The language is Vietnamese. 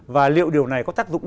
và liệu điều này có tác dụng